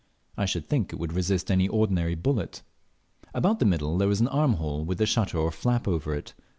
I should think it would resist any ordinary bullet. Abort the middle there was au arm hole with a shutter or flap over it.